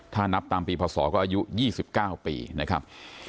ถ้านับตามปีพศก็อายุ๒๙ปีนะครับ